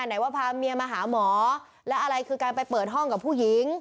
ไหนว่าพาเมียมาหาหมอแล้วอะไรคือการไปเปิดห้องกับผู้หญิง